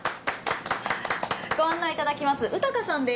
ご案内いただきます宇高さんです！